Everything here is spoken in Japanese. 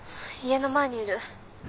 家の前にいる。